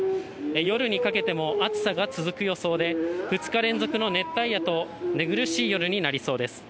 夜にかけても暑さが続く予想で、２日連続の熱帯夜と寝苦しい夜になりそうです。